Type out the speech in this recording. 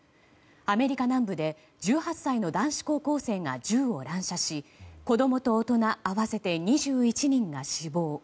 アメリカ南部で１８歳の男子高校生が銃を乱射し子供と大人合わせて２１人が死亡。